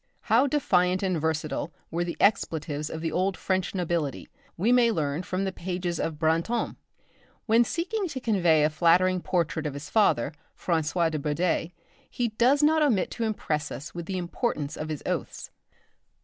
How defiant and versatile were the expletives of the old French nobility, we may learn from the pages of Brantôme. When seeking to convey a flattering portrait of his father, François de Bourdeilles, he does not omit to impress us with the importance of his oaths.